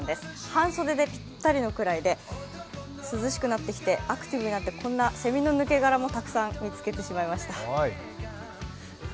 半袖でぴったりなくらいで、涼しくなってきて、アクティブになって、こんなせみの抜け殻もたくさん見つけてしまいました。